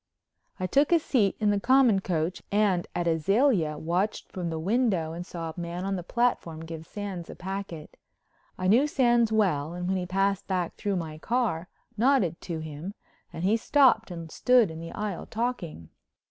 I took a seat in the common coach and at Azalea watched from the window and saw a man on the platform give Sands a packet. I knew Sands well and when he passed back through my car nodded to him and he stopped and stood in the aisle talking.